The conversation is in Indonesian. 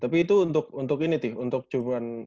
tapi itu untuk untuk ini tuh untuk cuman